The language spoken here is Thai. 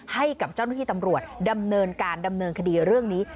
ให้กับเจ้าหน้าที่ตำรวจดำเนินการดำเนินคดีเรื่องนี้